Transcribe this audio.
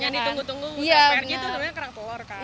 yang ditunggu tunggu prj itu namanya kerak telur kan